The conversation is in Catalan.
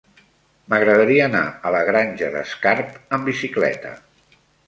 M'agradaria anar a la Granja d'Escarp amb bicicleta.